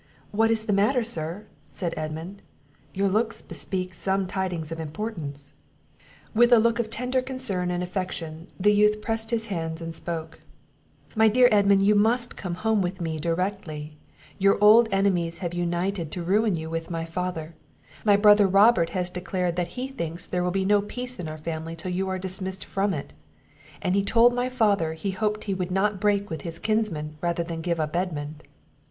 "What is the matter, sir?" said Edmund; "your looks bespeak some tidings of importance." With a look of tender concern and affection, the youth pressed his hand and spoke "My dear Edmund, you must come home with me directly; your old enemies have united to ruin you with my father; my brother Robert has declared that he thinks there will be no peace in our family till you are dismissed from it, and told my father, he hoped he would not break with his kinsmen rather than give up Edmund."